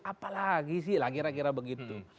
apalagi sih lah kira kira begitu